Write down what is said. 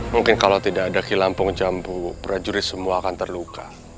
mungkin kalau tidak ada kilampung jambu prajurit semua akan terluka